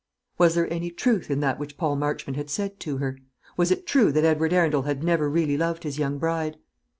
Was there any truth in that which Paul Marchmont had said to her? Was it true that Edward Arundel had never really loved his young bride?